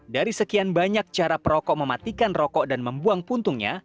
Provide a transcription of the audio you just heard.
dari sekian banyak cara perokok mematikan rokok dan membuang puntungnya